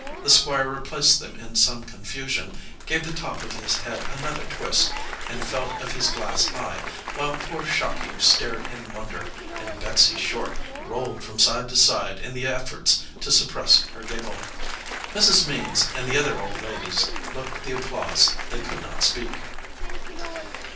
The Squire replaced them in some confusion, gave the top of his head another twist, and felt of his glass eye, while poor Shocky stared in wonder, and Betsey Short rolled from side to side in the effort to suppress her giggle. Mrs. Means and the other old ladies looked the applause they could not speak.